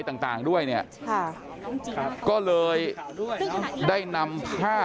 เพื่อนบ้านเจ้าหน้าที่อำรวจกู้ภัย